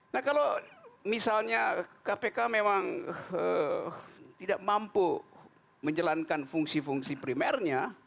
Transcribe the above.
nah kalau misalnya kpk memang tidak mampu menjalankan fungsi fungsi primernya